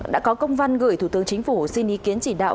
đã có công văn gửi thủ tướng chính phủ xin ý kiến chỉ đạo